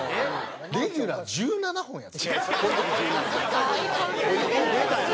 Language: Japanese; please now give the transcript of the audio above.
レギュラー１７本やぞ。